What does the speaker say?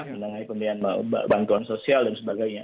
membiayai bantuan sosial dan sebagainya